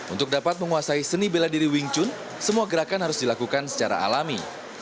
untuk dapat menguasai seni bela diri wing chun semua gerakan harus dilakukan secara alami